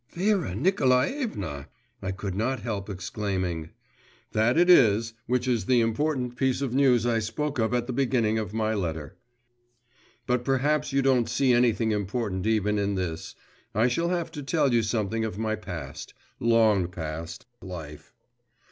…' 'Vera Nikolaevna!' I could not help exclaiming.… This it is, which is the important piece of news I spoke of at the beginning of my letter. But perhaps you don't see anything important even in this.… I shall have to tell you something of my past … long past, life.